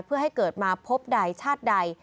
เพื่อให้เกิดมาพบใดชาติใด